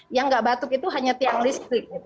yang nggak batuk itu hanya tiang listrik